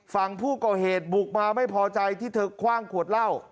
ฝั่งผู้ก่อเหตุบุกมาไม่พอใจที่เธอคว่างขวดเหล้า